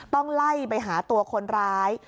ต้องไล่ไปหาตัวคนร้าย